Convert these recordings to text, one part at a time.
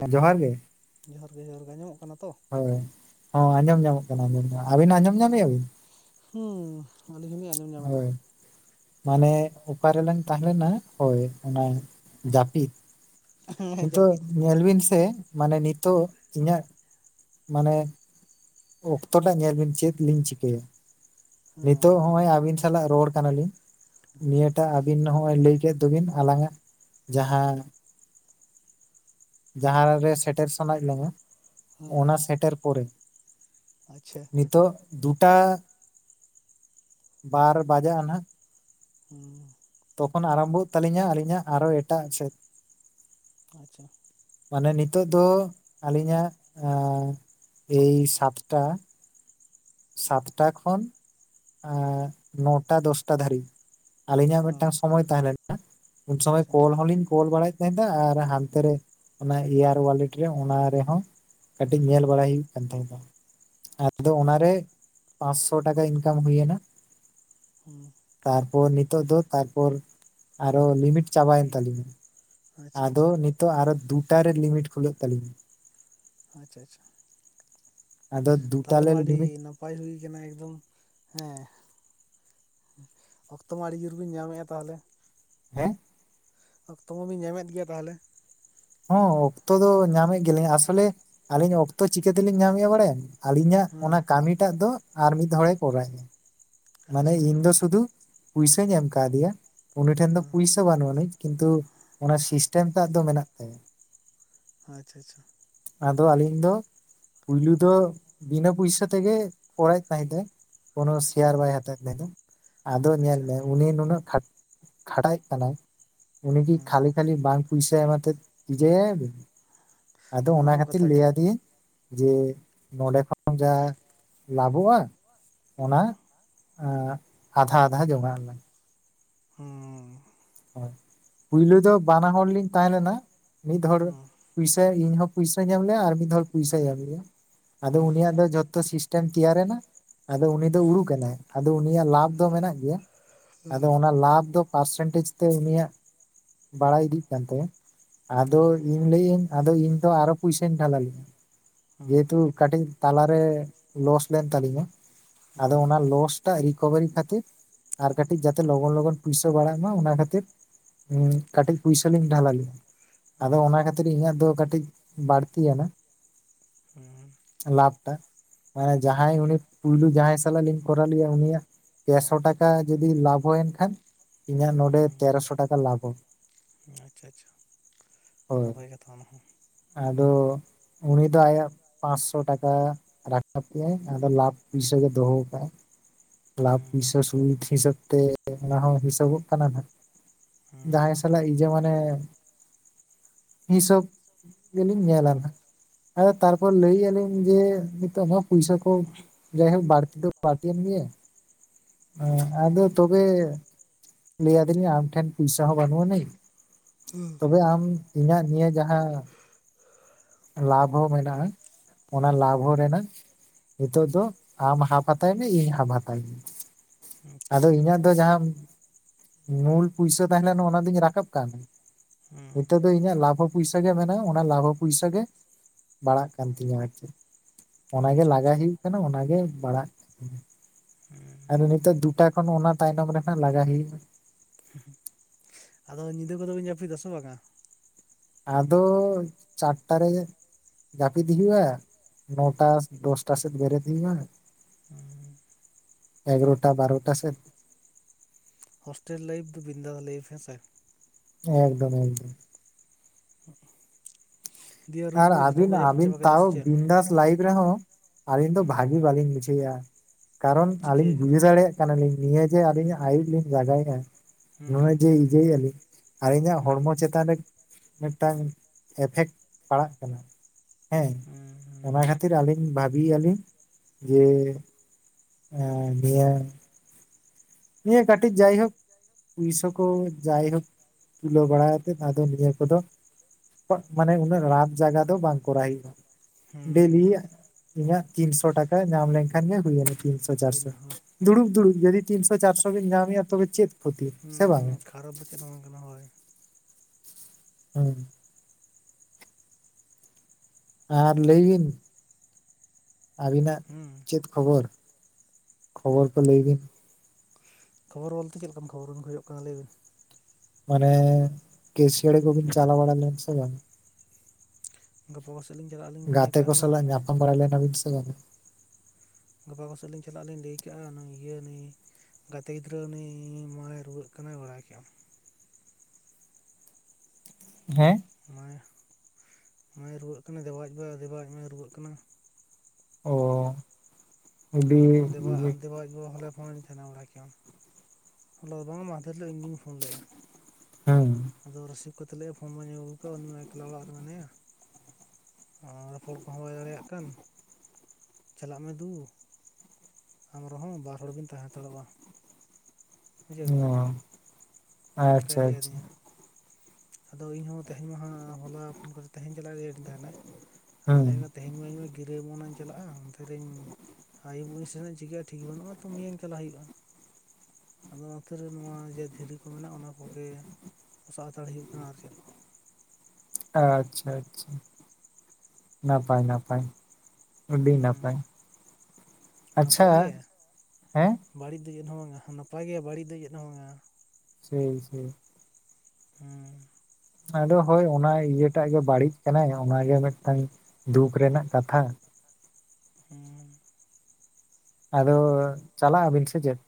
ᱦᱮᱸ ᱡᱚᱦᱟᱨ ᱜᱮ ᱡᱚᱦᱟᱨ ᱜᱮ ᱡᱚᱦᱟᱨ ᱜᱮ ᱧᱟᱢᱚᱜ ᱦᱳᱭ ᱦᱚᱸ ᱟᱸᱡᱚᱢ ᱧᱟᱢᱚᱜ ᱠᱟᱱᱟ ᱟᱸᱡᱚᱢ ᱟᱹᱵᱤᱱ ᱟᱸᱡᱚᱢ ᱧᱟᱢᱮᱫᱼᱟ ᱵᱤᱱ ᱦᱮᱸ ᱟᱹᱞᱤᱧ ᱦᱚᱞᱤᱧ ᱟᱸᱡᱚᱢ ᱧᱟᱢ ᱮᱫᱟ ᱦᱳᱭ ᱢᱟᱱᱮ ᱚᱠᱟᱨ ᱨᱮᱞᱟᱝ ᱛᱟᱦᱮᱸᱞᱮᱱᱟ ᱦᱳᱭ ᱚᱱᱟ ᱡᱟᱹᱯᱤᱫ ᱦᱮᱸ ᱱᱤᱛᱚᱜ ᱡᱟᱹᱯᱤᱫ ᱧᱮᱞ ᱵᱤᱱ ᱥᱮ ᱢᱟᱱᱮ ᱱᱤᱛᱚᱜ ᱤᱧᱟᱹᱜ ᱢᱟᱱᱮ ᱚᱠᱛᱚᱴᱟᱜ ᱧᱮᱞ ᱵᱤᱱ ᱪᱮᱫ ᱞᱤᱧ ᱪᱤᱠᱟᱹᱭᱟ ᱦᱮᱸ ᱱᱤᱛᱚᱜ ᱚᱱᱟ ᱦᱚᱸᱜᱼᱚᱭ ᱟᱹᱵᱤᱱ ᱥᱟᱞᱟᱜ ᱨᱚᱲ ᱠᱟᱱᱟᱞᱤᱧ ᱱᱤᱭᱟᱹᱴᱟᱜ ᱟᱹᱵᱤᱱ ᱱᱚᱜᱼᱚᱭ ᱞᱟᱹᱭ ᱠᱮᱫ ᱫᱚᱵᱤᱱ ᱟᱞᱟᱝᱟᱜ ᱡᱟᱦᱟᱸ ᱦᱮᱸ ᱡᱟᱦᱟᱸ ᱨᱮ ᱥᱮᱴᱮᱨ ᱥᱟᱱᱟᱭᱮᱫ ᱞᱟᱝᱟ ᱦᱮᱸ ᱚᱱᱟ ᱥᱮᱴᱮᱨ ᱯᱚᱨᱮ ᱟᱪᱪᱷᱟ ᱱᱤᱛᱚᱜ ᱫᱩᱴᱟ ᱵᱟᱨ ᱵᱟᱡᱟᱜᱼᱟ ᱱᱟᱟᱜ ᱦᱮᱸ ᱛᱚᱠᱷᱚᱱ ᱟᱨᱟᱢᱵᱷᱚᱜ ᱛᱟᱹᱟᱞᱤᱧᱟ ᱟᱹᱞᱤᱧᱟᱜ ᱟᱨᱚ ᱮᱴᱟᱜ ᱥᱮᱫ ᱟᱪᱪᱷᱟ ᱢᱟᱱᱮ ᱱᱤᱛᱚᱜ ᱫᱚ ᱟᱹᱞᱤᱧᱟᱜ ᱮᱭ ᱥᱟᱛᱴᱟ ᱥᱟᱛᱴᱟ ᱠᱷᱚᱱ ᱱᱚᱴᱟ ᱫᱚᱥᱴᱟ ᱫᱷᱟᱹᱨᱤᱡ ᱟᱹᱞᱤᱧᱟᱜ ᱦᱮᱸ ᱢᱤᱫᱴᱟᱝ ᱥᱚᱢᱳᱚᱭ ᱛᱟᱦᱮᱸ ᱞᱮᱱᱟ ᱩᱱ ᱥᱚᱢᱚᱭ ᱟᱪᱪᱷᱟ ᱠᱚᱞ ᱦᱚᱸᱞᱤᱧ ᱠᱚᱞ ᱵᱟᱲᱟᱭ ᱱᱟ ᱟᱨ ᱦᱟᱱᱛᱮ ᱨᱮ ᱚᱱᱟ ᱮᱤᱭᱟᱨ ᱳᱣᱟᱞᱤᱴᱤ ᱨᱮ ᱚᱱᱟ ᱨᱮᱦᱚᱸ ᱠᱟᱹᱴᱤᱡ ᱧᱮᱞ ᱵᱟᱲᱟᱭ ᱦᱩᱭᱩᱜ ᱠᱟᱱ ᱛᱟᱦᱮ ᱠᱟᱱᱟ ᱟᱪᱪᱷᱟ ᱟᱫᱚ ᱚᱱᱟᱨᱮ ᱯᱟᱸᱥᱥᱳ ᱴᱟᱠᱟ ᱤᱱᱠᱟᱢ ᱦᱩᱭ ᱮᱱᱟ ᱦᱮᱸ ᱯᱷᱳᱱ ᱱᱤᱛᱚᱜ ᱫᱚ ᱛᱟᱨᱯᱚᱨ ᱟᱨᱚ ᱞᱤᱢᱤᱴ ᱪᱟᱵᱟᱭᱮᱱ ᱛᱟᱞᱤᱧᱟ ᱟᱪᱪᱷᱟ ᱟᱫᱚ ᱟᱪᱪᱷᱟ ᱱᱤᱛᱚᱜ ᱟᱨᱚ ᱫᱩᱴᱟᱨᱮ ᱞᱤᱢᱤᱴ ᱠᱷᱩᱞᱟᱹᱜ ᱛᱟᱹᱞᱤᱧᱟ ᱟᱪᱪᱷᱟ ᱟᱪᱪᱷᱟ ᱟᱫᱚ ᱛᱟᱦᱚᱞᱮ ᱫᱩᱴᱟᱞᱮ ᱢᱟ ᱟᱹᱰᱤ ᱞᱤᱢᱤᱴ ᱱᱟᱯᱟᱭ ᱦᱩᱭ ᱠᱟᱱᱟ ᱮᱠᱫᱚᱢ ᱦᱮᱸ ᱚᱠᱛᱚ ᱢᱟ ᱟᱹᱰᱤ ᱡᱳᱨ ᱵᱤᱱ ᱧᱟᱢᱮᱫᱼᱟ ᱛᱟᱦᱚᱞᱮ ᱦᱮᱸ ᱚᱠᱛᱚ ᱢᱟᱚᱵᱧ ᱧᱟᱢᱮᱫ ᱜᱮᱭᱟ ᱛᱟᱦᱚᱞᱮ ᱦᱮᱸ ᱚᱠᱛᱚ ᱫᱚ ᱧᱟᱢᱮᱫ ᱜᱮᱞᱤᱧ ᱟᱥᱚᱞᱮ ᱟᱹᱞᱤᱧ ᱚᱠᱛᱚ ᱪᱤᱠᱟᱹ ᱛᱮᱞᱤᱧ ᱧᱟᱢᱮᱫᱼᱟ ᱵᱟᱲᱟᱭᱟ ᱟᱹᱞᱤᱧᱟᱜ ᱦᱮᱸ ᱚᱱᱟ ᱠᱟᱹᱢᱤᱴᱟᱜ ᱫᱚ ᱟᱨ ᱢᱤᱫ ᱦᱚᱲᱮ ᱠᱚᱨᱟᱣᱼᱟ ᱢᱟᱱᱮ ᱟᱪᱪᱷᱟ ᱤᱧ ᱫᱚ ᱥᱩᱫᱩ ᱯᱚᱭᱥᱟᱹᱧ ᱮᱢ ᱠᱟᱫᱮᱭᱟ ᱩᱱᱤ ᱴᱷᱮᱱ ᱫᱚ ᱦᱮᱸ ᱯᱚᱭᱥᱟ ᱵᱟᱹᱱᱩᱜ ᱟᱹᱱᱤᱡᱧ ᱠᱤᱱᱛᱩ ᱚᱱᱟ ᱥᱤᱥᱴᱮᱢ ᱛᱮᱟᱜ ᱫᱚ ᱢᱮᱱᱟᱜ ᱛᱟᱭᱟ ᱟᱪᱪᱷᱟ ᱟᱪᱪᱷᱟ ᱟᱫᱚ ᱟᱹᱞᱤᱧ ᱫᱚ ᱯᱩᱭᱞᱩ ᱫᱚ ᱵᱤᱱᱟᱹ ᱯᱩᱭᱥᱟ ᱛᱮᱜᱮ ᱠᱚᱨᱟᱣᱮᱫ ᱛᱟᱦᱮᱸᱫ ᱮ ᱠᱳᱱᱳ ᱠᱮᱭᱟᱨ ᱦᱮᱸ ᱵᱟᱭ ᱦᱟᱛᱟᱣᱮᱫ ᱢᱮ ᱫᱚ ᱟᱫᱚ ᱧᱮᱞ ᱟᱪᱪᱷᱟ ᱢᱮ ᱩᱱᱤ ᱱᱩᱱᱟᱹᱜ ᱠᱷᱟᱴᱟᱭᱮᱫ ᱠᱟᱱᱟᱭ ᱩᱱᱤ ᱠᱤ ᱦᱮᱸ ᱠᱷᱟᱞᱤ ᱠᱷᱟᱞᱤ ᱵᱟᱝ ᱯᱩᱭᱥᱟᱭᱢᱟᱛᱮ ᱡᱮ ᱵᱤᱱ ᱟᱫᱚ ᱚᱱᱟ ᱦᱚᱸ ᱠᱷᱟᱹᱛᱤᱨ ᱠᱟᱛᱷᱟ ᱜᱮ ᱞᱟᱹᱭ ᱟᱹᱫᱮᱟᱹᱧ ᱡᱮ ᱱᱚᱰᱮ ᱠᱷᱚᱱ ᱡᱟ ᱞᱟᱵᱷᱚᱜᱼᱟ ᱚᱱᱟ ᱟᱫᱷᱟ ᱟᱫᱷᱟ ᱡᱚᱢᱟᱣᱢᱮ ᱦᱮᱸ ᱦ ᱯᱳᱭᱞᱳ ᱫᱚ ᱵᱟᱱᱟ ᱦᱚᱲᱚᱲ ᱞᱤᱧ ᱛᱟᱦᱮᱸ ᱞᱮᱱᱟ ᱢᱤᱫ ᱦᱚᱲ ᱦᱮᱸ ᱯᱚᱭᱥᱟ ᱤᱧᱦᱚ ᱯᱚᱭᱥᱟᱧ ᱧᱟᱢ ᱞᱮᱭᱟ ᱟᱨ ᱢᱤᱫ ᱦᱚᱲ ᱯᱚᱭᱥᱟᱭ ᱧᱟᱢ ᱞᱮᱭᱟ ᱟᱫᱚ ᱦᱮᱸ ᱩᱱᱤᱭᱟᱜ ᱫᱚ ᱡᱷᱚᱛᱚ ᱥᱤᱥᱴᱮᱢ ᱛᱮᱭᱟᱨᱮ ᱮᱱᱟ ᱟᱫᱚ ᱩᱱᱤ ᱫᱚ ᱩᱲᱩᱠ ᱮᱱᱟᱭ ᱟᱫᱚ ᱩᱱᱤᱭᱟᱜ ᱞᱟᱵᱷ ᱫᱚ ᱢᱮᱱᱟᱜ ᱜᱮᱭᱟ ᱦᱮᱸ ᱟᱫᱚ ᱚᱱᱟ ᱞᱟᱵᱷ ᱫᱚ ᱯᱟᱨᱥᱮᱱᱴᱮᱡ ᱛᱮ ᱩᱱᱤᱭᱟᱜ ᱵᱟᱲᱟᱭ ᱤᱫᱤᱜ ᱠᱟᱱ ᱛᱟᱭᱟ ᱟᱫᱚ ᱤᱧ ᱞᱟᱹᱭᱟᱹᱧ ᱟᱫᱚ ᱤᱧ ᱫᱚ ᱟᱨᱚ ᱯᱚᱭᱥᱟᱧ ᱰᱷᱟᱞᱟ ᱞᱮᱫᱟ ᱦᱮᱸ ᱡᱮᱦᱮᱛᱩ ᱠᱟᱹᱴᱤᱡ ᱛᱟᱞᱟᱨᱮ ᱞᱚᱥ ᱞᱮᱱ ᱛᱟᱞᱤᱧᱟ ᱟᱫᱚ ᱦᱮᱸ ᱚᱱᱟ ᱞᱚᱥᱴᱟᱜ ᱨᱤᱠᱵᱷᱟᱨᱤ ᱠᱷᱟᱹᱛᱤᱨ ᱟᱨ ᱠᱟᱹᱴᱤᱡ ᱡᱟᱛᱮ ᱞᱚᱜᱚᱱ ᱞᱚᱜᱚᱱ ᱯᱩᱭᱥᱟᱹ ᱵᱟᱲᱟᱜ ᱢᱟ ᱚᱱᱟ ᱠᱷᱟᱹᱛᱤᱨ ᱠᱟᱹᱴᱤᱡ ᱯᱚᱭᱥᱟ ᱪᱷᱩᱴ ᱞᱤᱧ ᱰᱷᱟᱞᱟᱞᱤᱟ ᱟᱫᱚ ᱦᱮᱸ ᱚᱱᱟ ᱠᱷᱟᱹᱛᱤᱨ ᱤᱧᱟᱹᱜ ᱫᱚ ᱠᱟᱹᱴᱤᱡ ᱵᱟᱹᱲᱛᱤᱭᱮᱱᱟ ᱦᱩᱸ ᱞᱟᱵᱷᱴᱟᱜ ᱢᱟᱱᱮ ᱡᱟᱦᱟᱸᱭ ᱩᱱᱤ ᱯᱩᱭᱞᱳ ᱡᱟᱦᱟᱸᱭ ᱥᱟᱞᱟᱜ ᱞᱤᱧ ᱠᱚᱨᱟᱣ ᱞᱮᱭᱟ ᱩᱱᱤᱭᱟᱜ ᱯᱮᱥᱚ ᱴᱟᱠᱟ ᱡᱚᱫᱤ ᱞᱟᱵᱷ ᱦᱩᱭᱮᱱ ᱠᱷᱟᱱ ᱤᱧᱟᱹᱜ ᱱᱚᱰᱮ ᱦᱩᱸ ᱛᱮᱨᱚᱥᱚ ᱴᱟᱠᱟ ᱞᱟᱵᱷ ᱟᱪᱪᱷᱟ ᱟᱪᱪᱷᱟ ᱦᱳᱭ ᱱᱟᱯᱟᱭ ᱠᱟᱛᱷᱟ ᱚᱱᱟ ᱦᱚᱸᱚᱸ ᱟᱫᱚ ᱩᱱᱤ ᱫᱚ ᱟᱭᱟᱜ ᱯᱟᱸᱥᱥᱚ ᱴᱟᱠᱟ ᱨᱟᱠᱟᱵ ᱛᱟᱭᱮᱟᱭ ᱟᱫᱚ ᱞᱟᱵᱷ ᱯᱩᱭᱥᱟᱮ ᱫᱚᱦᱚ ᱟᱠᱟᱫᱟᱭ ᱞᱟᱵᱷ ᱯᱩᱭᱥᱟᱹ ᱥᱤᱫ ᱦᱤᱥᱟᱹᱵ ᱛᱮ ᱚᱱᱟ ᱦᱚᱸ ᱦᱤᱥᱟᱹᱵᱚᱜ ᱠᱟᱱᱟ ᱦᱟᱜ ᱦᱩᱸ ᱡᱟᱦᱟᱸᱭ ᱥᱟᱞᱟᱜ ᱤᱭᱟᱹ ᱢᱟᱱᱮ ᱦᱤᱥᱟᱹᱵᱽ ᱜᱮᱞᱤᱧ ᱧᱮᱞᱟ ᱦᱟᱜ ᱛᱟᱨᱯᱚᱨ ᱞᱟᱹᱭᱮᱜ-ᱟ ᱞᱤᱧ ᱡᱮ ᱱᱤᱛᱚᱜ ᱢᱟ ᱯᱚᱭᱥᱟ ᱠᱚ ᱡᱟᱭᱦᱳᱠ ᱵᱟᱲᱛᱤ ᱫᱚ ᱵᱟᱲᱛᱤᱭᱮᱱ ᱜᱮᱭᱟ ᱟᱫᱚ ᱛᱚᱵᱮ ᱞᱟᱹᱭ ᱟᱹᱫᱤᱧᱟ ᱟᱢ ᱴᱷᱮᱱ ᱯᱚᱭᱥᱟ ᱦᱚᱸ ᱵᱟᱹᱱᱩᱜ ᱟᱹᱱᱤᱡ ᱛᱚᱵᱮ ᱟᱢ ᱤᱧᱟᱹᱜ ᱱᱤᱭᱟᱹ ᱡᱟᱦᱟᱸ ᱞᱟᱵᱷ ᱦᱚᱸ ᱢᱮᱱᱟᱜᱼᱟ ᱚᱱᱟ ᱞᱟᱵᱷ ᱦᱚᱸ ᱨᱮᱱᱟᱜ ᱱᱤᱛᱚᱜ ᱫᱚ ᱟᱢ ᱦᱟᱯ ᱦᱟᱛᱟᱭ ᱢᱮ ᱤᱧ ᱦᱟᱯ ᱦᱟᱛᱟᱣ ᱢᱮ ᱦᱩᱸ ᱟᱪᱪᱷᱟ ᱟᱫᱚ ᱤᱧᱟᱹᱜ ᱫᱚ ᱡᱟᱦᱟᱸ ᱢᱩᱞ ᱯᱩᱭᱥᱟᱹ ᱛᱟᱦᱮᱸ ᱞᱮᱱᱟ ᱚᱱᱟ ᱫᱩᱧ ᱨᱟᱠᱟᱵ ᱠᱟᱱ ᱦᱩᱸ ᱱᱤᱛᱚᱜ ᱫᱚ ᱤᱧᱟᱹᱜ ᱞᱟᱵᱷᱚ ᱯᱚᱭᱥᱟ ᱜᱮ ᱢᱮᱱᱟᱜᱼᱟ ᱚᱱᱟ ᱞᱟᱵᱷᱚ ᱯᱚᱭᱥᱟ ᱜᱮ ᱵᱟᱲᱟᱜ ᱠᱟᱱ ᱛᱤᱧᱟᱹ ᱟᱨ ᱪᱤᱫ ᱚᱱᱟᱜᱮ ᱟᱪᱪᱷᱟ ᱞᱟᱜᱟ ᱟᱪᱪᱷᱟ ᱦᱩᱭᱩᱜ ᱠᱟᱱᱟ ᱚᱱᱟᱜᱮ ᱵᱟᱲᱟᱜ ᱟᱨ ᱱᱤᱛᱳᱜ ᱫᱩᱴᱟ ᱠᱷᱚᱱ ᱚᱱᱟ ᱛᱟᱭᱱᱚᱢ ᱨᱮᱦᱟᱸᱜ ᱞᱟᱜᱟᱣ ᱦᱩᱭᱩᱜᱼᱟ ᱟᱫᱚ ᱧᱤᱫᱟᱹ ᱠᱚᱫᱚ ᱵᱮᱱ ᱡᱟᱹᱯᱤᱫ-ᱟ ᱥᱮ ᱵᱟᱝ-ᱟ ᱟᱫᱚ ᱪᱟᱴᱴᱟ ᱨᱮ ᱡᱟᱹᱯᱤᱫ ᱦᱩᱭᱩᱜᱼᱟ ᱱᱚᱴᱟ ᱫᱚᱥᱴᱟ ᱥᱮᱫ ᱵᱮᱨᱮᱫ ᱦᱩᱭᱩᱜᱼᱟ ᱦᱩᱸ, ᱮᱜᱟᱨᱚᱴᱟ ᱵᱟᱨᱚᱴᱟ ᱥᱮᱫ ᱦᱳᱥᱴᱮᱞ ᱞᱟᱭᱤᱯᱷ ᱫᱚ ᱵᱤᱱᱫᱟᱥ ᱞᱟᱭᱤᱯᱷ ᱦᱮᱸ ᱥᱮ ᱮᱠᱫᱚᱢ ᱮᱠᱫᱚᱢ ᱫᱤᱭᱮ ᱨᱩᱢ ᱟᱨ ᱠᱚᱨᱮ ᱡᱷᱚᱛᱚ ᱟᱵᱤᱱ ᱠᱚ ᱡᱟᱹᱯᱤᱫ ᱟᱵᱤᱱ ᱪᱟᱵᱟ ᱠᱮᱫᱟ ᱛᱟᱣ ᱥᱮ ᱪᱮᱫ ᱵᱤᱱᱫᱟᱥ ᱞᱟᱭᱤᱯᱷ ᱨᱮᱦᱚᱸ ᱟᱹᱞᱤᱧ ᱫᱚ ᱦᱩᱸ ᱵᱷᱟᱹᱜᱤ ᱵᱟᱹᱞᱤᱧ ᱵᱩᱡᱷᱟᱹᱣᱭᱟ ᱠᱟᱨᱚᱱ ᱪᱤᱠᱟᱹᱭ ᱟᱹᱞᱤᱧ ᱠᱟᱱᱟ ᱵᱩᱡᱷᱟᱹᱣ ᱫᱟᱲᱮᱭᱟᱜ ᱠᱟᱱᱟᱞᱤᱧ ᱱᱤᱭᱟᱹ ᱡᱮ ᱦᱩᱸ ᱟᱹᱞᱤᱧᱟᱜ ᱟᱹᱭᱩᱵ ᱞᱤᱧ ᱞᱟᱜᱟᱭᱮᱫᱼᱟ ᱦᱩᱸ ᱱᱚᱦᱚᱭ ᱡᱮ ᱤᱡᱟᱹᱭᱮᱟᱜ ᱞᱤᱧ ᱟᱨ ᱤᱧᱟᱹᱜ ᱦᱩᱸ ᱦᱚᱲᱢᱚ ᱪᱮᱛᱟᱱ ᱨᱮ ᱢᱤᱫᱴᱟᱝ ᱮᱯᱷᱮᱠᱴ ᱯᱟᱲᱟᱜ ᱠᱟᱱᱟ ᱦᱮᱸ ᱦᱩᱸ ᱦᱩᱸ ᱚᱱᱟ ᱠᱷᱟᱹᱛᱤᱨ ᱟᱹᱞᱤᱧ ᱵᱷᱟᱹᱵᱤᱭᱮᱟᱜᱞᱤᱧ ᱡᱮ ᱦᱮ ᱫᱤᱭᱮ ᱱᱤᱭᱟᱹ ᱠᱟᱹᱴᱤᱡ ᱡᱟᱭᱦᱳᱠ ᱯᱩᱭᱥᱟᱹ ᱠᱚ ᱡᱟᱭᱦᱳᱠ ᱛᱩᱞᱟᱹᱣ ᱵᱟᱲᱟ ᱠᱟᱛᱮᱫ ᱟᱫᱚ ᱱᱤᱭᱟᱹ ᱠᱚᱫᱚ ᱢᱟᱱᱮ ᱩᱱᱟᱹᱜ ᱞᱟᱵᱷ ᱡᱟᱭᱜᱟ ᱫᱚ ᱵᱟᱝ ᱠᱚᱨᱟᱣ ᱦᱩᱭᱩᱜᱼᱟ ᱦᱩᱸ ᱰᱮᱞᱤ ᱤᱧᱟᱹᱜ ᱛᱤᱱᱥᱚ ᱴᱟᱠᱟ ᱧᱟᱢ ᱞᱮᱱᱠᱷᱟᱱ ᱜᱮ ᱦᱩᱭᱱᱟ ᱛᱤᱱᱚ ᱦᱳᱭ ᱪᱟᱨᱥᱚ ᱚᱱᱟ ᱦᱚᱸ ᱫᱩᱲᱩᱵ ᱫᱩᱲᱩᱵ ᱡᱩᱫᱤ ᱛᱤᱱ ᱪᱟᱨᱥᱚ ᱵᱤᱱ ᱧᱟᱢᱮᱜ-ᱟ ᱛᱚᱵᱮ ᱪᱮᱫ ᱠᱷᱚᱛᱤ ᱥᱮ ᱵᱟᱝ ᱠᱷᱟᱨᱟᱵᱷ ᱫᱚ ᱪᱮᱫ ᱜᱮ ᱵᱟᱝ ᱠᱟᱱᱟ ᱦᱚᱭ ᱦᱮᱸ ᱟᱨ ᱞᱟᱹᱭ ᱵᱤᱱ ᱟᱹᱵᱤᱱᱟᱜ ᱦᱩᱸ ᱪᱮᱫ ᱠᱷᱚᱵᱚᱨ ᱠᱷᱚᱵᱚᱨ ᱠᱚ ᱞᱟᱹᱭ ᱵᱤᱱ ᱠᱷᱚᱵᱚᱨ ᱚᱞᱛᱮ ᱪᱮᱫ ᱞᱮᱠᱟᱱ ᱠᱷᱚᱵᱚᱨ ᱵᱤᱱ ᱠᱷᱚᱡᱚᱜ ᱠᱟᱱᱟ ᱞᱟᱹᱭ ᱵᱤᱱ ᱢᱟᱱᱮ ᱠᱮᱥᱲ ᱠᱚᱵᱤᱱ ᱪᱟᱞᱟᱣ ᱵᱟᱲ ᱞᱮ ᱥᱮ ᱵᱟᱝ ᱜᱟᱯᱚ ᱜᱟᱛᱮ ᱠᱚ ᱥᱟᱞᱟᱜ ᱧᱟᱯᱟᱢ ᱵᱟᱲᱟ ᱞᱮᱱᱟ ᱵᱤᱱ ᱥᱮ ᱵᱟᱝ ᱜᱟᱯᱟ ᱠᱚᱥᱮᱫ ᱞᱤᱧ ᱪᱟᱞᱟᱜ ᱞᱤᱧ ᱞᱟᱹᱭ ᱠᱟᱜᱼᱟ ᱤᱭᱟᱹ ᱱᱩᱭ ᱜᱟᱛᱮ ᱜᱤᱫᱽᱨᱟᱹ ᱩᱱᱤ ᱢᱟᱞᱮ ᱨᱩᱣᱟᱹᱜ ᱠᱟᱱᱟᱭ ᱵᱟᱲᱟᱭ ᱠᱮᱫᱮᱜᱼᱟ ᱦᱮᱸ ᱟᱢ ᱢᱟᱭ ᱢᱟᱭ ᱨᱩᱣᱟᱹᱜ ᱠᱟᱱᱟᱭ ᱫᱮᱵᱟ ᱟᱡ ᱫᱚ ᱫᱮᱵᱟᱟᱭ ᱟᱡ ᱢᱟᱭ ᱨᱩᱣᱟᱹᱜ ᱠᱟᱱᱟ ᱚ ᱟᱹᱰᱤ ᱟᱫᱚ ᱫᱮᱵᱟ ᱫᱮᱵ ᱟᱡᱵᱟ ᱦᱚᱞᱮ ᱯᱷᱳᱱᱧ ᱛᱟᱦᱮᱱᱟ ᱵᱟᱨᱟᱭ ᱠᱤᱞᱚ ᱦᱚᱞᱟ ᱵᱟᱝᱟ ᱢᱟᱫᱟᱨ ᱦᱤᱞᱳᱜ ᱤᱧᱜᱤᱧ ᱯᱷᱳᱱ ᱞᱮᱫᱼᱟ ᱦᱮᱸ ᱛᱟᱞᱮᱭᱟ ᱯᱷᱳᱱᱟᱹᱧ ᱟᱹᱜᱩ ᱠᱟᱜ ᱩᱱᱤ ᱢᱟ ᱮᱠᱞᱟ ᱚᱲᱟᱜ ᱨᱮ ᱢᱮᱱᱟᱭᱟ ᱟᱨ ᱨᱚᱯᱚᱲ ᱠᱚᱦᱚᱸ ᱵᱟᱭ ᱫᱟᱲᱮᱭᱟᱜ ᱠᱟᱱ ᱪᱟᱞᱟᱜ ᱢᱮ ᱫᱩᱲ ᱟᱢ ᱨᱮ-ᱦᱚᱸ ᱵᱟᱨ ᱦᱚᱲ ᱵᱮᱤᱱ ᱛᱟᱦᱮᱸ ᱦᱟᱛᱟᱲᱚᱜᱼᱟ ᱵᱩᱡᱷᱟᱹᱣ ᱠᱮᱜᱼᱟᱢ ᱚ ᱚᱱᱠᱟᱭ ᱟᱪᱪᱷᱟ ᱞᱟᱹᱭ ᱟᱪᱪᱷᱟ ᱟᱹᱫᱤᱧᱟ ᱟᱫᱚ ᱤᱧᱦ ᱛᱟᱦᱮᱸ ᱤᱧ ᱢᱟ ᱦᱟᱸ ᱦᱚᱞᱟ ᱯᱷᱳᱱ ᱠᱟᱛᱮ ᱛᱮᱦᱮᱧ ᱪᱟᱞᱟᱜ ᱨᱮᱧ ᱛᱟᱦᱮᱱᱟ ᱟᱫᱚ ᱦᱩᱸ ᱞᱟᱹᱭᱟᱱ ᱛᱮᱦᱮᱧ ᱢᱟᱟᱹᱧ ᱢᱮ ᱜᱤᱨᱟᱹᱢ ᱪᱟᱞᱟᱜᱼᱟ ᱚᱱᱛᱮ ᱨᱮᱧ ᱟᱭᱩᱵᱚᱜ ᱤᱧ ᱥᱮᱱ ᱪᱤᱠᱟᱹᱭᱟ ᱴᱷᱤᱠ ᱵᱟᱹᱱᱩᱜᱼᱟ ᱛᱚ ᱱᱤᱭᱟᱹᱧ ᱪᱟᱞᱟᱜ ᱦᱩᱭᱩᱜᱼᱟ ᱟᱫᱚ ᱱᱚᱛᱮ ᱨᱮᱱ ᱢᱟ ᱡᱮ ᱫᱷᱤᱨᱤ ᱠᱚ ᱢᱮᱱᱟᱜᱼᱟ ᱚᱱᱟ ᱠᱚᱜᱮ ᱵᱚᱥᱟᱜ ᱦᱟᱛᱟᱲ ᱦᱩᱭᱩᱜ ᱠᱟᱱᱟ ᱟᱨ ᱪᱮᱫ ᱟᱪᱪᱷᱟ ᱟᱪᱪᱷᱟ ᱱᱟᱯᱟᱭ ᱱᱟᱯᱟᱭ ᱟᱹᱰᱤ ᱱᱟᱯᱟᱭ ᱦᱩᱸ ᱟᱪᱪᱷᱟ ᱱᱟᱯᱟᱭ ᱜᱮ ᱦᱮᱸ ᱵᱟᱹᱲᱤᱡ ᱫᱚ ᱪᱮᱫ ᱦᱚᱸ ᱵᱟᱝᱟ ᱱᱟᱯᱟᱭ ᱜᱮᱭᱟ ᱵᱟᱹᱲᱤᱡ ᱫᱚ ᱜᱮᱫ ᱦᱚᱸ ᱵᱟᱝᱟ ᱦᱮᱸ ᱦᱮᱸ ᱦᱮᱸ ᱟᱫᱚ ᱦᱳᱭ ᱚᱱᱟ ᱤᱭᱟᱹᱴᱟᱜ ᱜᱮ ᱵᱟᱹᱲᱤᱡ ᱠᱟᱱᱟᱭ ᱚᱱᱟᱜᱮ ᱢᱤᱫᱴᱟᱝ ᱫᱩᱠ ᱨᱮᱱᱟᱜ ᱠᱟᱛᱷᱟ ᱦᱮᱸ ᱟᱫᱚ ᱪᱟᱞᱟᱜ ᱟᱹᱵᱤᱱ ᱥᱮ ᱪᱮᱫ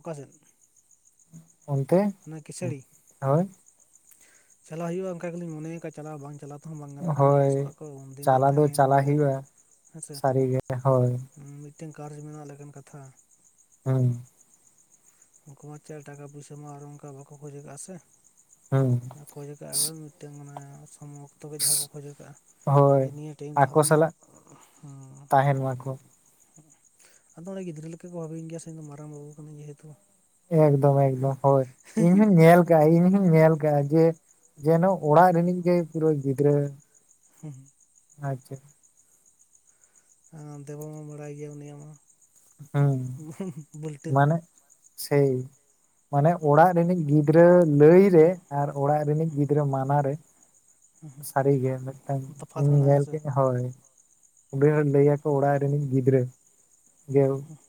ᱚᱠᱟ ᱥᱮᱫ ᱚᱱᱛᱮ ᱦᱳᱭ ᱪᱟᱞᱟᱜ ᱦᱩᱭᱩᱜᱼᱟᱚᱱᱠᱟ ᱜᱮᱞᱤᱧ ᱢᱚᱱᱮᱭᱟ ᱪᱟᱞᱟ ᱵᱟᱝ ᱪᱟᱞᱟᱣ ᱛᱮᱦᱚᱸ ᱵᱟᱝ ᱜᱟᱱᱚᱜ ᱠᱟᱱᱟ ᱦᱳᱭ ᱟᱹᱲᱤᱥᱚᱜ ᱟᱠᱚ ᱩᱫᱤᱱ ᱞᱤᱧ ᱪᱟᱞᱟᱣ ᱫᱚ ᱛᱟᱦᱮᱸᱭᱮᱱᱟ ᱪᱟᱞᱟᱜ ᱚᱸᱰᱮ ᱦᱩᱭᱩᱜᱼᱟ ᱦᱮᱸᱥᱮ ᱥᱟᱹᱨᱤᱜᱮ ᱦᱳᱭ ᱢᱤᱫᱴᱮᱱ ᱠᱟᱨᱡᱽ ᱢᱮᱱᱟᱜ ᱞᱮᱠᱟᱱ ᱠᱟᱛᱷᱟ ᱦᱮᱸ ᱩᱱᱠᱩ ᱪᱟᱨ ᱴᱟᱠᱟ ᱯᱚᱭᱥᱟ ᱢᱟ ᱟᱨ ᱚᱱᱠᱟ ᱵᱟᱠᱚ ᱠᱷᱚᱡᱥᱮ ᱦᱩᱸ ᱦᱮᱸ ᱠᱷᱚᱡ ᱠᱟᱜ ᱢᱤᱫᱴᱮᱱ ᱢᱟᱱᱮ ᱟᱢ ᱚᱠᱛᱚ ᱜᱮ ᱡᱟᱦᱟᱸ ᱠᱚ ᱠᱷᱚᱡᱚᱜ ᱠᱟᱜᱼᱟ ᱦᱳᱭ ᱡᱮ ᱱᱤᱭᱟᱹ ᱴᱟᱭᱤᱢ ᱟᱠᱚ ᱛᱟᱦᱞᱮ ᱱᱟᱸ ᱥᱟᱞᱟᱜ ᱛᱟᱦᱮᱱ ᱢᱟᱠᱚ ᱟᱫᱚ ᱚᱸᱰᱮ ᱜᱤᱫᱽᱨᱟᱹ ᱞᱮᱠᱟ ᱠᱚ ᱵᱷᱟᱵᱤᱧ ᱜᱮᱭᱟ ᱥᱮ ᱤᱧ ᱫᱚ ᱢᱟᱨᱟᱝ ᱵᱟᱹᱵᱩ ᱠᱟᱹᱱᱟᱹᱧ ᱡᱮᱦᱮᱛᱩ ᱮᱠᱫᱚᱢ ᱮᱠᱫᱚᱢ ᱦᱳᱭ ᱤᱧᱦᱩᱧ ᱧᱮᱞ ᱠᱟᱜᱼᱟ ᱤᱧᱦᱚ ᱧᱮᱞ ᱠᱟᱜᱼᱟ ᱡᱮ ᱡᱮᱱᱚ ᱚᱲᱟᱜ ᱨᱤᱱᱤᱧ ᱠᱟᱹ ᱯᱩᱨᱟᱹ ᱜᱤᱫᱽᱨᱟᱹ ᱦᱩᱸ ᱟᱪᱪᱷᱟ ᱦ ᱫᱮᱵᱟ ᱢᱟ ᱵᱟᱲᱟᱭ ᱜᱮᱭᱟ ᱩᱱᱤᱭᱟᱜ ᱢᱟ ᱦᱮᱸ ᱵᱟᱹᱞᱴᱟᱹ ᱢᱟᱱᱮ ᱥᱮᱭ ᱢᱟᱱᱮ ᱚᱲᱟᱜ ᱨᱤᱱᱤᱡ ᱜᱤᱯᱷ ᱜᱤᱫᱽᱨᱟᱹ ᱞᱟᱹᱭᱨᱮ ᱟᱨ ᱚᱲᱟᱜ ᱨᱤᱱᱤᱡ ᱜᱤᱫᱽᱨᱟᱹ ᱢᱟᱱᱟᱨᱮ ᱥᱟᱹᱨᱤᱜᱮ ᱢᱤᱫᱴᱟᱝ ᱛᱚᱯᱷᱟᱛ ᱤᱧ ᱢᱮᱱᱟᱜᱼᱟ ᱧᱮᱞ ᱦᱮᱸᱥᱮ ᱠᱮᱫᱼᱟ ᱦᱳᱭ ᱩᱱᱤ ᱮ ᱞᱟᱹᱭ ᱟᱠᱚ ᱚᱲᱟᱜ ᱨᱤᱱᱤᱡ ᱜᱤᱫᱽᱨᱟᱹ ᱡᱮ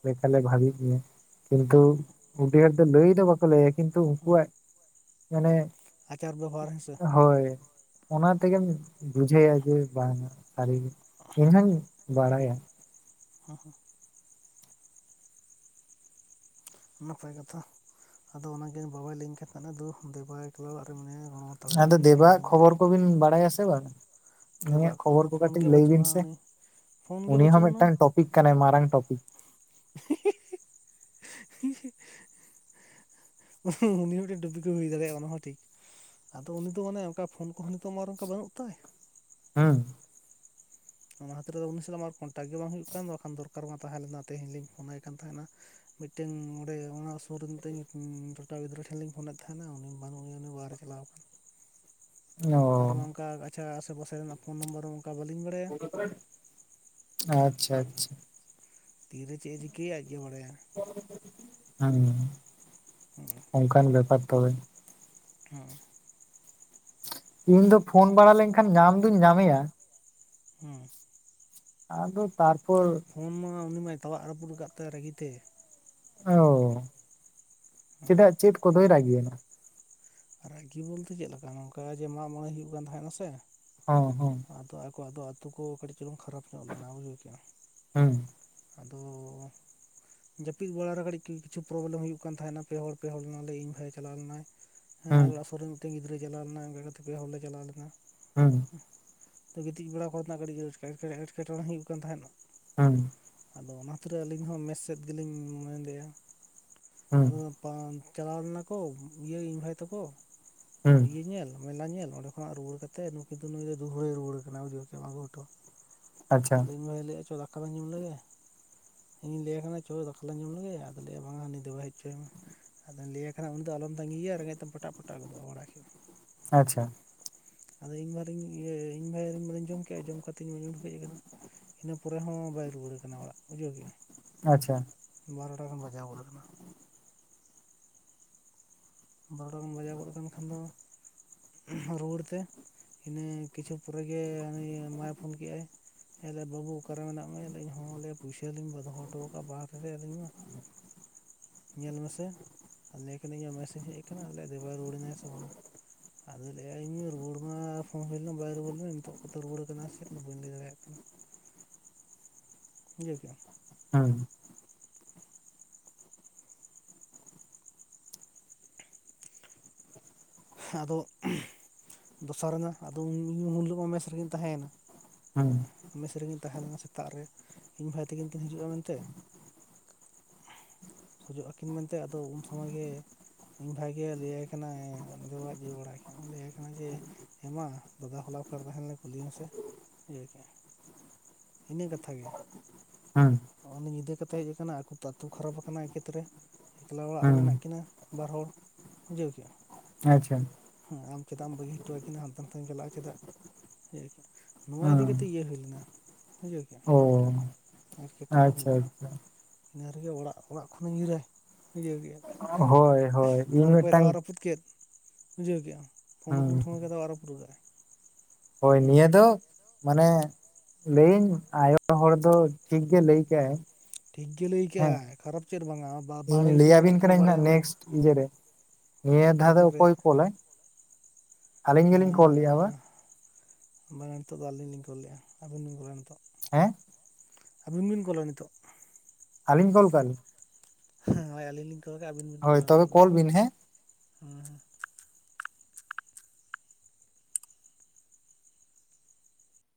ᱞᱮᱠᱟᱞᱮ ᱵᱷᱟᱜᱮ ᱠᱮᱭᱟ ᱠᱤᱱᱛᱩ ᱵᱩᱰᱤ ᱦᱚᱲ ᱫᱚ ᱰᱟᱹᱦᱤ ᱫᱚ ᱵᱟᱠᱚ ᱞᱟᱹᱭᱭᱟ ᱠᱤᱱᱛᱩ ᱩᱱᱠᱩᱣᱟᱜ ᱢᱟᱱᱮ ᱟᱪᱟᱨ ᱵᱮᱵᱚᱦᱟᱨ ᱦᱮᱸ ᱥᱮ ᱦᱳᱭ ᱚᱱᱟ ᱛᱮᱜᱮᱢ ᱵᱩᱡᱷᱟᱹᱭᱟ ᱡᱮ ᱵᱟᱝ-ᱟ ᱥᱟᱹᱨᱤᱜᱮ ᱤᱧᱦᱩᱧ ᱵᱟᱲᱟᱭᱟ ᱱᱟᱯᱟᱭ ᱠᱟᱛᱷᱟ ᱟᱫᱚ ᱚᱱᱟᱜᱮ ᱵᱟᱵᱟᱭ ᱞᱟᱹᱭᱟᱹᱧ ᱠᱟᱱ ᱫᱩ ᱫᱮᱵᱟ ᱮᱠᱞᱟ ᱚᱲᱟᱜ ᱨᱮ ᱢᱮᱱᱟᱭᱟ ᱜᱚᱲᱚ ᱦᱟᱛᱟᱲᱟᱭ ᱢᱮ ᱟᱫᱚ ᱪᱟᱞᱟᱣ ᱫᱮᱵᱟᱟᱜ ᱞᱮᱱ ᱠᱷᱚᱵᱚᱨ ᱜᱮᱞᱤᱧ ᱠᱚᱵᱤᱱ ᱵᱟᱲᱟᱭᱟᱥᱮ ᱵᱟᱝ-ᱟ ᱩᱱᱤᱭᱟᱜ ᱫᱮᱵᱟᱜ ᱠᱷᱚᱵᱚᱨ ᱫᱚ ᱠᱚ ᱯᱷᱳᱱ ᱠᱟᱹᱴᱤᱡ ᱜᱮ ᱞᱟᱹᱭ ᱵᱤᱱ ᱵᱟᱹᱪᱩᱜᱼᱟ ᱥᱮ ᱩᱱᱤ ᱯᱷᱳᱱ ᱜᱮ ᱩᱱᱤ ᱦᱚᱸ ᱵᱟᱹᱪᱩᱜ ᱟᱱᱟ ᱢᱤᱫᱴᱟᱝ ᱴᱚᱯᱤᱠ ᱠᱟᱱᱟᱭ ᱢᱟᱨᱟᱝ ᱴᱚᱯᱤᱠ [inaudible] ᱩᱱᱤ ᱦᱚᱸ ᱢᱤᱫᱴᱮᱱ ᱰᱩᱵᱤ ᱠᱚ ᱦᱩᱭ ᱫᱟᱲᱮᱭᱟᱜᱼᱟ ᱚᱱᱟ ᱦᱚᱸ ᱴᱷᱤᱠ ᱟᱫᱚ ᱩᱱᱤ ᱫᱚ ᱢᱟᱱᱮ ᱚᱱᱠᱟ ᱯᱷᱳᱱ ᱠᱚᱦᱚᱸ ᱱᱤᱛᱚᱜ ᱚᱱᱠᱟ ᱵᱟᱹᱱᱩᱜ ᱛᱟᱭ ᱦᱮᱸ ᱚᱱᱟ ᱠᱷᱟᱹᱛᱤᱨ ᱩᱱᱤ ᱥᱟᱞᱟᱜ ᱟᱨ ᱠᱚᱱᱴᱟᱠᱴ ᱜᱮ ᱵᱟᱝ ᱦᱩᱭᱩᱜ ᱠᱟᱱ ᱵᱟᱠᱷᱟᱱ ᱫᱚᱨᱠᱟᱨ ᱢᱟ ᱛᱟᱦᱮᱸ ᱞᱮᱱᱟ ᱛᱮᱦᱮᱧ ᱞᱤᱧ ᱯᱷᱳᱱᱟᱭ ᱠᱟᱱ ᱛᱟᱦᱮᱱᱟ ᱢᱤᱫᱴᱮᱱ ᱚᱸᱰᱮ ᱚᱱᱟ ᱥᱩᱨ ᱨᱮ ᱢᱤᱫᱴᱮᱱ ᱴᱚᱴᱟ ᱜᱤᱫᱽᱨᱟᱹ ᱴᱷᱮᱱ ᱞᱤᱧ ᱯᱷᱳᱱᱮᱫ ᱛᱟᱦᱮᱱᱟ ᱩᱱᱤ ᱵᱟᱹᱱᱩᱜ ᱮᱭᱟ ᱩᱱᱤ ᱵᱟᱨᱮ ᱪᱟᱞᱟᱣ ᱠᱟᱱᱟ ᱱᱟᱟᱣ ᱠᱟᱱᱟ [inaudible] ᱚ ᱟᱪᱪᱷᱟ ᱥᱮ ᱵᱚᱥᱮ ᱨᱮᱱᱟᱜ ᱯᱷᱳᱱ ᱱᱚᱢᱵᱟᱨ ᱦᱚᱸ ᱚᱱᱠᱟ ᱵᱟᱹᱞᱤᱧ ᱵᱟᱲᱟᱭᱟ [inaudible] ᱟᱪᱪᱷᱟ ᱟᱪᱪᱷᱟ ᱛᱤᱨᱮ ᱪᱮᱫ ᱮ ᱪᱤᱠᱟᱹᱭᱟ ᱟᱡᱜᱮ ᱵᱟᱲᱟᱭᱟ ᱦᱮᱸ ᱦᱩᱸ ᱚᱱᱠᱟᱱ ᱵᱮᱯᱟᱨ ᱛᱚᱵᱮ ᱦᱮᱸ ᱤᱧ ᱫᱚ ᱯᱷᱳᱱ ᱵᱟᱲᱟ ᱞᱮᱱᱠᱷᱟᱱ ᱧᱟᱢ ᱫᱩᱧ ᱧᱟᱢᱮᱭᱟ ᱦᱩᱸ ᱟᱫᱚ ᱛᱟᱨᱯᱚᱨ ᱯᱷᱳᱱ ᱢᱟ ᱩᱱᱤ ᱢᱟᱭ ᱛᱟᱣᱟᱜ ᱨᱟᱹᱯᱩᱫ ᱠᱟᱫ ᱛᱟᱭᱟ ᱨᱟᱹᱜᱤᱛᱮ ᱚ ᱪᱮᱫᱟᱜ ᱪᱮᱫ ᱠᱚᱫᱚᱭ ᱨᱟᱜᱤᱭᱭᱮᱱᱟ ᱨᱟᱜᱤ ᱵᱚᱞᱛᱮ ᱪᱮᱫ ᱞᱮᱠᱟ ᱱᱚᱝᱠᱟ ᱡᱮ ᱢᱟᱜ ᱢᱚᱬᱮ ᱦᱩᱭᱩᱜ ᱠᱟᱱ ᱛᱟᱦᱮᱱᱟ ᱥᱮ ᱦᱚᱸ ᱦᱚᱸ ᱚ ᱟᱫᱚ ᱟ ᱟᱛᱳ ᱠᱚ ᱠᱟᱹᱴᱤᱡ ᱪᱩᱞᱩᱝ ᱠᱷᱟᱨᱟᱯ ᱧᱚᱜ ᱞᱮᱱᱟ ᱵᱩᱡᱷᱟᱹᱣ ᱠᱮᱜᱼᱟᱢ ᱦᱩᱸ ᱟᱫᱚ ᱡᱟᱹᱯᱤᱫ ᱵᱟᱲᱟᱨᱮ ᱠᱟᱹᱴᱤᱡ ᱠᱤᱪᱷᱩ ᱯᱨᱚᱵᱞᱮᱢ ᱦᱩᱭᱩᱜ ᱠᱟᱱ ᱛᱟᱦᱮᱱᱟ ᱯᱮ ᱦᱚᱲ ᱯᱮ ᱦᱚᱲ ᱱᱟᱞᱮ ᱤᱧ ᱵᱷᱟᱭᱮ ᱪᱟᱞᱟᱣ ᱞᱮᱱᱟᱭ ᱦᱮ ᱦᱩᱸ ᱟᱞᱮ ᱟᱥᱩᱨ ᱨᱮ ᱢᱤᱫᱴᱮᱱ ᱜᱤᱫᱽᱨᱟᱹᱭ ᱪᱟᱣ ᱞᱮᱱᱟ ᱚᱱᱠᱟ ᱠᱟᱛᱮ ᱯᱮ ᱦᱚᱲᱞ ᱞᱮ ᱪᱟᱞᱟᱣ ᱞᱮᱱᱟ ᱦᱮᱸ ᱜᱤᱛᱤᱡ ᱵᱮᱲᱟ ᱠᱚᱨᱮᱱᱟᱜ ᱠᱟᱹᱴᱤᱡ ᱮᱴ ᱮᱴᱠᱮᱴᱚᱬᱮ ᱦᱩᱭᱩᱜ ᱠᱟᱱ ᱛᱟᱦᱮᱸᱜ ᱦᱮᱸ ᱟᱫᱚ ᱚᱱᱟ ᱛᱤᱨᱮ ᱟᱹᱞᱤᱧ ᱦᱚᱸ ᱢᱮᱥ ᱥᱮᱫ ᱜᱮᱞᱤᱧ ᱢᱮᱱᱚᱱᱮᱫᱼᱟ ᱦᱩᱸ ᱟᱫᱚ ᱪᱟᱞᱟᱣ ᱞᱮᱱᱟ ᱠᱚ ᱤᱭᱟᱹ ᱤᱧ ᱵᱷᱟᱭ ᱛᱟᱠᱚ ᱦᱩᱸ ᱤᱭᱟᱹ ᱧᱮᱞ ᱢᱮᱞᱟ ᱧᱮᱞ ᱚᱸᱰᱮ ᱠᱷᱚᱱᱟᱜ ᱨᱩᱣᱟᱹᱲ ᱠᱟᱛᱮᱜ ᱱᱩᱠᱤᱱ ᱫᱚ ᱱᱩᱭ ᱫᱚ ᱫᱩᱦᱲᱟᱹᱭ ᱨᱩᱣᱟᱹᱲ ᱠᱟᱱᱟ ᱵᱩᱡᱷᱟᱣ ᱠᱮᱫᱟᱢ ᱟᱹᱜᱩ ᱦᱚᱴᱚ ᱟᱪᱪᱷᱟ ᱟᱫᱚ ᱵᱷᱟᱭ ᱞᱟᱹᱭᱮᱫᱼᱟ ᱪᱚ ᱫᱟᱠᱟ ᱵᱚᱱ ᱡᱚᱢ ᱞᱮᱜᱮ ᱤᱧ ᱞᱟᱹᱭᱟᱭ ᱠᱟᱱᱟ ᱪᱚ ᱫᱟᱠᱟᱞᱟᱝ ᱡᱚᱢ ᱞᱮᱜᱮ ᱟᱫᱚ ᱞᱟᱹᱭᱭᱟ ᱵᱟᱝᱟ ᱩᱱᱤ ᱫᱚ ᱵᱟᱭ ᱦᱮᱡ ᱦᱚᱪᱚᱭᱟᱶ ᱢᱮ ᱟᱫᱚᱧ ᱞᱟᱹᱭᱟᱭ ᱠᱟᱱᱟ ᱩᱱᱤ ᱫᱚ ᱟᱞᱚᱢ ᱛᱟᱸᱜᱤᱭᱮᱭᱟ ᱨᱮᱸᱜᱮᱡ ᱛᱮ ᱯᱚᱴᱟᱜ ᱯᱚᱴᱟᱜ ᱜᱚᱫᱚᱜᱼᱟ ᱵᱟᱲᱟᱭ ᱠᱮᱜ-ᱟᱢ ᱟᱪᱪᱷᱟ ᱟᱫᱚ ᱤᱧ ᱵᱟᱨᱤ ᱤᱭᱟᱹ ᱤᱧᱵᱷᱟᱭ ᱢᱟᱱᱮᱧ ᱡᱚᱢ ᱠᱮᱫᱼᱟ ᱡᱚᱢ ᱠᱟ ᱠᱟᱛᱮ ᱤᱧ ᱢᱟᱧ ᱩᱰᱩᱠᱮᱡ ᱟᱠᱟᱱᱟ ᱤᱱᱟᱹ ᱯᱚᱨᱮ ᱦᱚᱸ ᱵᱟᱭ ᱨᱩᱣᱟᱹᱲ ᱠᱟᱱᱟ ᱚᱲᱟᱜ ᱵᱩᱡᱟᱹᱣ ᱠᱮᱜᱼᱟᱢ ᱟᱪᱪᱷᱟ ᱵᱟᱨᱚᱴᱟ ᱜᱟᱱ ᱵᱟᱡᱟᱣ ᱜᱚᱫ ᱠᱟᱱᱟ ᱵᱟᱨᱚᱴᱟ ᱜᱟᱱ ᱵᱟᱡᱟᱣ ᱜᱚᱫ ᱠᱟᱱ ᱠᱷᱟᱱ ᱫᱚ ᱨᱩᱣᱟᱹᱲ ᱛᱮ ᱤᱱᱟᱹ ᱠᱤᱪᱷᱩ ᱯᱚᱨᱮᱜᱮ ᱦᱟᱱᱤ ᱢᱟᱭ ᱯᱷᱳᱱ ᱠᱮᱜᱟᱭ ᱮ ᱵᱟᱹᱵᱩ ᱚᱠᱟᱨᱮ ᱢᱮᱱᱟᱜ ᱢᱮᱭᱟ ᱟ ᱞᱮᱤᱧ ᱦᱚᱸ ᱟ ᱯᱚᱭᱥᱟᱹ ᱞᱤᱧ ᱵᱟ ᱫᱚᱦᱚ ᱦᱚᱴᱚ ᱠᱟᱫᱟ ᱵᱟᱦᱨᱮ ᱟᱹᱞᱤᱧ ᱢᱟ ᱧᱮᱞ ᱢᱮᱥᱮ ᱞᱟᱹᱭ ᱠᱟᱹᱧ ᱢᱮ ᱦᱮᱡ ᱠᱟᱱᱟ ᱟᱞᱮᱭᱟᱜ ᱫᱮᱵᱟᱭ ᱨᱩᱣᱟᱹᱲᱱᱟᱭ ᱥᱮ ᱵᱟᱝ-ᱟ ᱟᱫᱚᱭ ᱞᱟᱹᱭ ᱮᱟᱭ ᱤᱧᱮ ᱨᱩᱣᱟᱹᱲ ᱢᱟ ᱯᱷᱱ ᱦᱩᱭ ᱟᱫᱚ ᱞᱟᱹᱭ ᱮᱟᱭ ᱨᱩᱣᱟᱹᱲ ᱢᱟ ᱯᱷᱚᱱ ᱦᱩᱭ ᱞᱮᱱᱟ ᱵᱟᱭ ᱨᱩᱣᱟᱹᱲ ᱞᱮᱱᱟ ᱱᱤᱛᱚᱜ ᱠᱚᱛᱮ ᱨᱩᱣᱟᱹᱲ ᱠᱟᱱᱟ ᱥᱮ ᱵᱟᱹᱧ ᱞᱟᱹᱭ ᱫᱟᱲᱮᱭᱟᱜ ᱠᱟᱱᱟ [inaudible] ᱵᱩᱡᱷᱟᱣ ᱠᱮ ᱟᱢ ᱦᱮᱸ ᱟᱫᱚ ᱫᱚᱥᱟᱨ ᱮᱱᱟ ᱟᱫᱚ ᱩᱸ ᱩᱱᱦᱤᱞᱟᱹᱜ ᱦᱚᱸ ᱢᱮᱥ ᱨᱮᱜᱤᱧ ᱛᱟᱦᱮᱸ ᱭᱮᱱᱟ ᱦᱩᱸ ᱦᱮᱸ ᱢᱮᱥ ᱨᱮᱜᱤᱧ ᱛᱟᱦᱮᱸ ᱞᱮᱱᱟ ᱥᱮ ᱥᱮᱛᱟᱜ ᱨᱮ ᱤᱧ ᱵᱷᱟᱭ ᱛᱠᱤᱱ ᱠᱤᱱ ᱦᱤᱡᱩᱜᱼᱟ ᱢᱮᱱᱛᱮ ᱦᱤᱡᱩᱜ ᱟᱹᱠᱤᱱ ᱢᱮᱱᱛᱮ ᱟᱫᱚ ᱩᱱ ᱥᱚᱢᱚᱭ ᱜᱮ ᱤᱧ ᱵᱷᱟᱜᱮ ᱞᱟᱹᱭᱟᱭ ᱠᱟᱱᱟ [unintelligible] ᱞᱟᱹᱭᱟᱭ ᱠᱟᱱᱟ ᱡᱮ ᱦᱮᱸ ᱢᱟ ᱫᱟᱫᱟ ᱦᱚᱞᱟ ᱚᱠᱟᱨ ᱛᱟᱦᱮᱱᱞ ᱠᱩᱞᱤ ᱮᱢᱥᱮ ᱵᱩᱡᱷᱟᱣ ᱠᱮ ᱟᱢ ᱤᱱᱟᱹ ᱤᱱᱟᱹ ᱠᱟᱛᱷᱟ ᱜᱮ ᱦᱩᱸ ᱦᱚᱸ ᱩᱱᱤ ᱧᱤᱫᱟᱹ ᱠᱟᱛᱮ ᱦᱮᱡ ᱟᱠᱟᱱᱟᱭ ᱟᱹᱛᱩ ᱠᱷᱟᱨᱟᱵ ᱟᱠᱟᱱᱟ ᱮᱠᱮᱛ ᱨᱮ ᱟᱞᱮ‌ ᱚᱲᱟᱜ ᱨᱮ ᱦᱩᱸ ᱢᱮᱱᱟᱜ ᱠᱤᱱᱟᱹ ᱵᱟᱨ ᱦᱚᱲ ᱵᱩᱡᱷᱟᱹᱣ ᱠᱮ ᱟᱢ ᱟᱪᱷᱟ ᱪᱮᱫᱟᱜ ᱮᱢ ᱵᱟᱹᱜᱤ ᱦᱚᱴᱚᱣᱟᱠᱤᱱᱟ ᱦᱟᱱᱛᱮ ᱱᱟᱛᱮᱢ ᱪᱟᱞᱟᱜᱼᱟ ᱪᱮᱫᱟ [unintelligible] ᱱᱚᱣᱟ ᱤᱫᱤ ᱦᱩᱸ ᱠᱟᱛᱮ ᱤᱭᱟᱹ ᱦᱩᱭ ᱞᱮᱱᱟ ᱵᱩᱡᱷᱟᱣ‌ ᱠᱮ ᱚ ᱟᱢ ᱮᱴᱠᱮᱴᱚᱬᱮ ᱦᱩᱭ ᱟᱪᱪᱷᱟ ᱞᱮᱱᱟ ᱟᱪᱪᱷᱟ ᱤᱱᱟᱹ ᱨᱮᱜᱮ ᱚᱲᱟᱜ ᱚᱲᱟᱜ ᱠᱷᱚᱱᱮ ᱧᱤᱨᱟᱭ ᱵᱩᱡᱷᱟᱹᱣ ᱠᱮᱟᱢ ᱦᱳᱭ ᱦᱳᱭ ᱤᱧ ᱢᱤᱫᱴᱟᱝ ᱨᱟᱹᱯᱩᱫ ᱠᱮᱫ ᱵᱩᱡᱷᱟᱹᱣ ᱠᱮᱟᱢ ᱦᱩᱸ [unintelligible] ᱦᱳᱭ ᱱᱤᱭᱟᱹ ᱫᱚ ᱢᱟᱱᱮ ᱞᱟᱹᱭᱟᱹᱧ ᱟᱭᱳ ᱦᱚᱲ ᱫᱚ ᱴᱷᱤᱠ ᱜᱮ ᱞᱟᱹᱭ ᱠᱟᱜᱟᱭ ᱴᱷᱤᱠ ᱜᱮ ᱞᱟᱹᱭ ᱠᱟᱜᱟᱭ ᱠᱷᱟᱨᱟᱵ ᱪᱮᱫ ᱦᱚᱸ ᱵᱟᱝᱟ ᱵᱟ ᱤᱧ ᱵᱟᱨᱭᱟ ᱜᱤᱫᱽᱨᱟᱹ ᱢᱮᱱᱟᱜ ᱞᱟᱹᱭᱟᱵᱤᱱ ᱠᱤᱱᱟ ᱠᱟᱹᱱᱟᱹᱧ ᱵᱟᱲᱟᱭ ᱦᱟᱸᱜ ᱚᱟ ᱱᱮᱠᱥᱴ ᱤᱭᱟᱹᱨᱮ ᱱᱤᱭᱟᱹ ᱫᱷᱟᱣ ᱫᱚ ᱚᱠᱚᱭ ᱠᱚᱞᱟᱭ ᱟᱹᱞᱤᱧ ᱜᱮᱞᱤᱧ ᱠᱚᱞ ᱞᱮᱫᱟ ᱵᱟ ᱵᱟᱝ ᱟ ᱱᱤᱛᱚᱜ ᱫᱚ ᱟᱹᱞᱤᱧ ᱞᱤᱧ ᱠᱚᱞ ᱞᱮᱼᱟ [unintelligible] ᱦᱮᱸ ᱟᱹᱵᱤᱱ ᱵᱤᱱ ᱠᱚᱞᱟ ᱱᱤᱛᱚᱜ ᱟᱹᱞᱤᱧ ᱠᱚᱞ ᱠᱟᱜ ᱞᱤᱧ ᱦᱳᱭ ᱟᱹᱞᱤᱧ ᱞᱤᱧ ᱠᱚᱞ ᱟᱠᱟᱜ ᱟ ᱟᱹᱵᱤᱱ ᱵᱤᱱ ᱦᱳᱭ ᱠᱚᱞᱟ ᱛᱚᱵᱮ ᱱᱤᱛᱚᱜ ᱫᱚ ᱠᱚᱞ ᱵᱤᱱ ᱦᱮᱸ ᱦᱸ